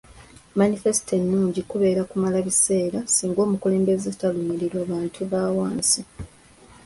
Manifesito ennungi kubeera kumala biseera singa omukulembeze talumirirwa bantu ba wansi.